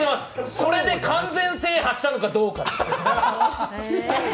これで完全制覇したのかどうかと。